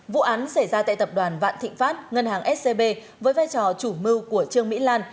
vụ án xảy ra tại tập đoàn vạn thịnh pháp ngân hàng scb với vai trò chủ mưu của trương mỹ lan